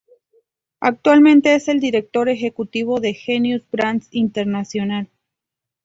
Actualmente es el director ejecutivo de Genius Brands International.